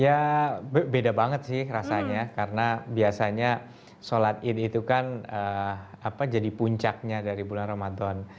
ya beda banget sih rasanya karena biasanya sholat id itu kan jadi puncaknya dari bulan ramadan